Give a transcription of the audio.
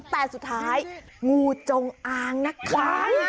แต่สุดท้ายงูจงอางนะคะ